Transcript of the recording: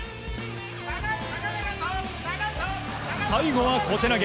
最後は小手投げ。